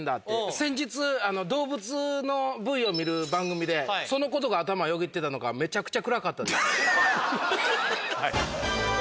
先日動物のＶＴＲを見る番組でそのことが頭よぎってたのかめちゃくちゃ暗かったです。